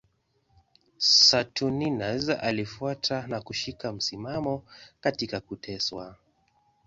Saturninus alifuata na kushika msimamo katika kuteswa.